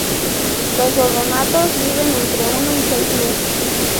Los odonatos viven entre uno y seis meses.